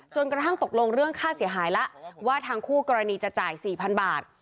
กระทั่งตกลงเรื่องค่าเสียหายแล้วว่าทางคู่กรณีจะจ่าย๔๐๐๐บาท